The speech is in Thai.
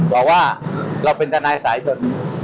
บอกว่าเราเป็นทนายสายชน